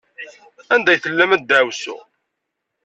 Anda ay tellam a ddeɛwessu?